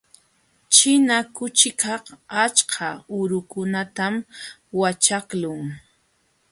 Ćhina kuchikaq achka urukunatam waćhaqlun.